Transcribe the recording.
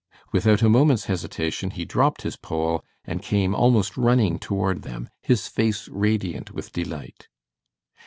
Without a moment's hesitation he dropped his pole and came almost running toward them, his face radiant with delight.